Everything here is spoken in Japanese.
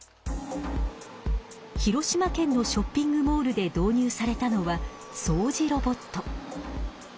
広島県のショッピングモールで導入されたのはそうじロボット。